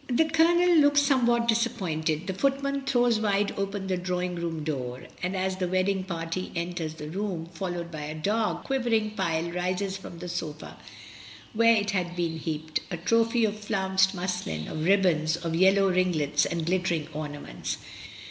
The Colonel looks somewhat disappointed, the footman throws wide open the drawing room door, and as the wedding party enters the room, followed SUSANNA AT HOME. « 2 1 Q by the dog, a quivering pile rises from the sofa where it had been heaped, a trophy of flounced muslin, of ribbons, of yellow ringlets and glittering ornaments.